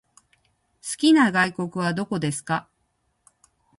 好きな外国はどこですか？